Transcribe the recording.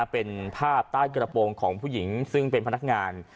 เป็นภาพใต้กระโปรงของผู้หญิงซึ่งเป็นพนักงาน